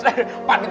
pada malas banget